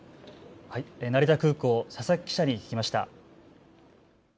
成田空港、佐々木記者に聞きました。